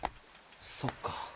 そっか。